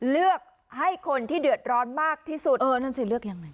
เลือกให้คนที่เดือดร้อนมากที่สุดเออนั่นสิเลือกยังไง